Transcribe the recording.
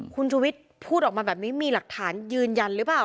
คุณชุวิตพูดออกมาแบบนี้มีหลักฐานยืนยันหรือเปล่า